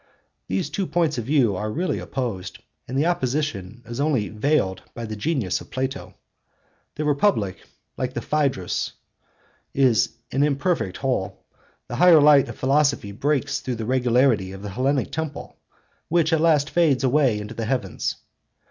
These two points of view are really opposed, and the opposition is only veiled by the genius of Plato. The Republic, like the Phaedrus (see Introduction to Phaedrus), is an imperfect whole; the higher light of philosophy breaks through the regularity of the Hellenic temple, which at last fades away into the heavens.